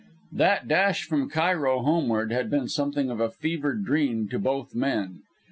That dash from Cairo homeward had been something of a fevered dream to both men.